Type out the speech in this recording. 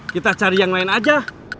kita cari yang lain aja